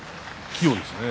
器用ですね。